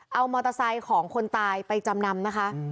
เอามอเตอร์ไซค์ของคนตายไปจำนำนะคะ